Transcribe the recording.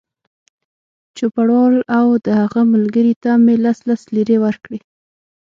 چوپړوال او د هغه ملګري ته مې لس لس لېرې ورکړې.